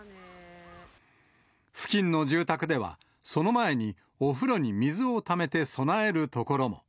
付近の住宅では、その前にお風呂に水をためて備えるところも。